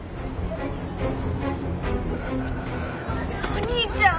お兄ちゃん！